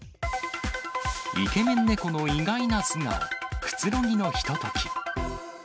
イケメンネコの意外な素顔、くつろぎのひととき。